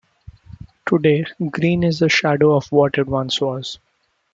Today, Greene is a shadow of what it once was.